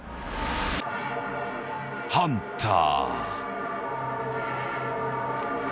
［ハンター］